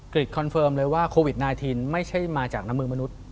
คอนเฟิร์มเลยว่าโควิด๑๙ไม่ใช่มาจากน้ำมือมนุษย์